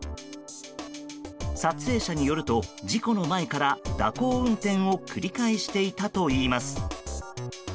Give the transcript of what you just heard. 撮影者によると事故の前から蛇行運転を繰り返していたといいます。